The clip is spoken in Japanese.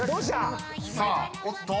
［さあおっと？